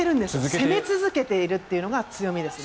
攻め続けているというのが強みですね。